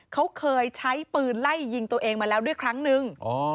เขาเคยใช้ปืนไล่ยิงตัวเองมาแล้วด้วยครั้งนึง